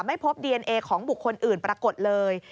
ไม่พบดีเอนเอของบุคคลอื่นปรากฏเลย